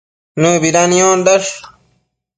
Nëbida niondash